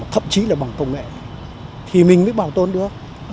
thậm chí là bằng công nghệ thì mình mới bảo tồn được